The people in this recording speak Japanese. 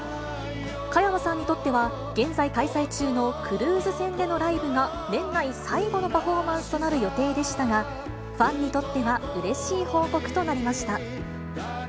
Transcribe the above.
加山さんにとっては、現在開催中のクルーズ船でのライブが年内最後のパフォーマンスとなる予定でしたが、ファンにとってはうれしい報告となりました。